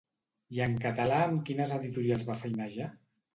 I en català amb quines editorials va feinejar?